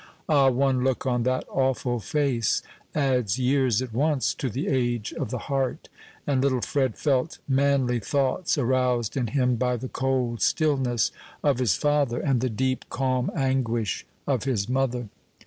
Ah, one look on that awful face adds years at once to the age of the heart; and little Fred felt manly thoughts aroused in him by the cold stillness of his father, and the deep, calm anguish of his mother.